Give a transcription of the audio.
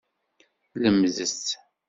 Lemdet!